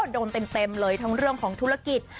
เต็มเลยทั้งเรื่องของธุรกิจ